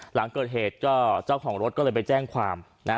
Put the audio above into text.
หลังเกิดเหตุก็เจ้าของรถก็เลยไปแจ้งความนะฮะ